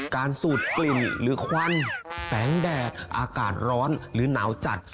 สูดกลิ่นหรือควันแสงแดดอากาศร้อนหรือหนาวจัด